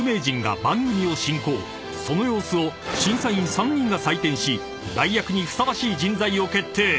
［その様子を審査員３人が採点し代役にふさわしい人材を決定］